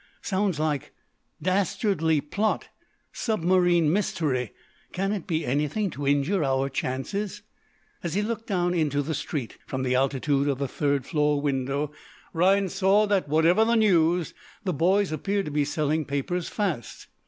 "Sounds like 'Dastardly plot submarine mystery.' Can it be anything to injure our chances?" As he looked down into the street, from the altitude of the third floor window, Rhinds saw that, whatever the news, the boys appeared to be selling papers fast.